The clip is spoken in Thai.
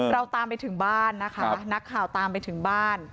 เราตามไปถึงบ้านนะคะนักข่าวตามไปถึงบ้าน